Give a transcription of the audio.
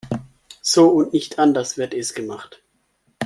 So und nicht anders wird es gemacht.